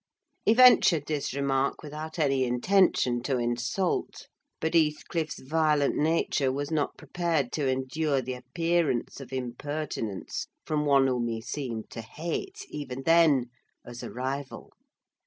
He ventured this remark without any intention to insult; but Heathcliff's violent nature was not prepared to endure the appearance of impertinence from one whom he seemed to hate, even then, as a rival.